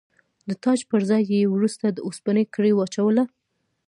د تاج پر ځای یې ورته د اوسپنې کړۍ واچوله.